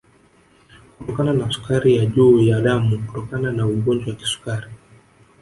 Kutokana na sukari ya juu ya damu kutokana na ugonjwa wa kisukari